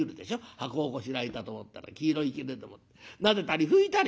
箱をこしらえたと思ったら黄色いきれでもってなでたり拭いたり」。